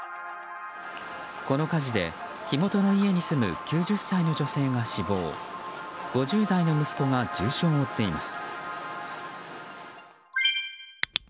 この火事で火元の家に住む９０歳の女性が死亡５０代の息子が重傷を負っています。